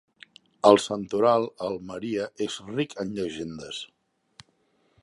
El santoral a Almeria és ric en llegendes.